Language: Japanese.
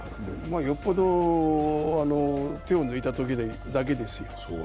よっぽど手を抜いたときだけですよ。